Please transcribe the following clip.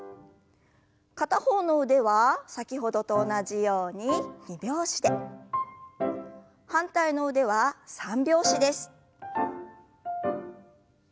片方の腕は先ほどと同じように二拍子で反対の腕は三拍子です。